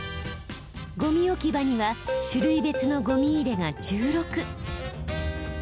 ゴミ置き場には種類別のゴミ入れが１６。